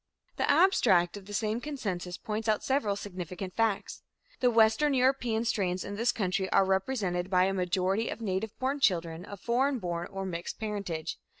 The Abstract of the same census points out several significant facts. The Western European strains in this country are represented by a majority of native born children of foreign born or mixed parentage.